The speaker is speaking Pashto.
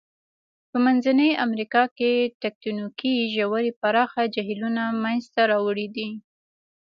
په منځنۍ امریکا کې تکتونیکي ژورې پراخه جهیلونه منځته راوړي دي.